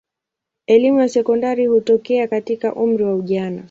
Elimu ya sekondari hutokea katika umri wa ujana.